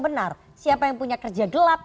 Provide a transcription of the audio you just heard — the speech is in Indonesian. benar siapa yang punya kerja gelap